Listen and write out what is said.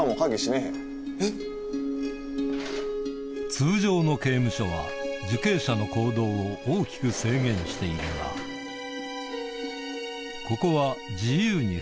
通常の刑務所は受刑者の行動を大きく制限しているがえ！